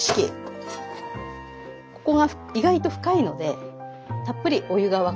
ここが意外と深いのでたっぷりお湯が沸かせるので。